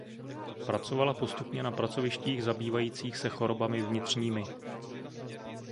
Pracovala postupně na pracovištích zabývajících se chorobami vnitřními.